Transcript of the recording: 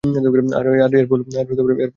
আর এর ফল আমি ভোগ করব না।